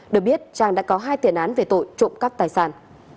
được biết trang đã có hai tiền án về tội trộm cắp tài sản